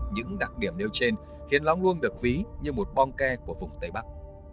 những đặc điểm nêu trên khiến lóng luông được ví như một bong ke của vùng tây bắc